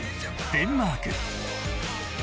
デンマーク。